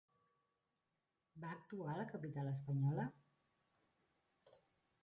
Va actuar a la capital espanyola?